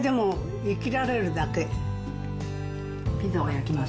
ピザを焼きます。